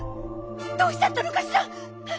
どうしちゃったのかしら。